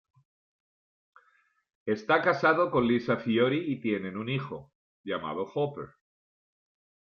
Está casado con Lisa Fiori y tienen un hijo, llamado Hopper.